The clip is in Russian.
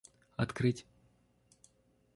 открыть